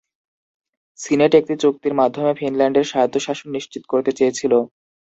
Senate একটি চুক্তির মাধ্যমে ফিনল্যান্ডের স্বায়ত্তশাসন নিশ্চিত করতে চেয়েছিল।